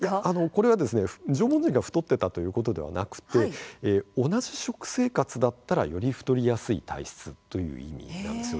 これはですね縄文人が太ってたということではなくて同じ食生活だったらより太りやすい体質という意味なんですよ。